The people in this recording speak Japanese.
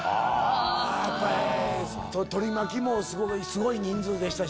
取り巻きもすごい人数でしたし。